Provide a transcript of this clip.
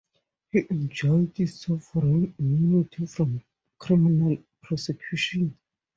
He enjoyed sovereign immunity from criminal prosecution.